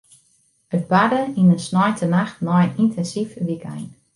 It barde yn in sneintenacht nei in yntinsyf wykein.